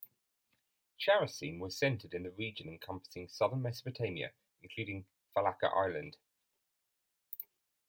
Characene was centered in the region encompassing southern Mesopotamia, including Failaka island.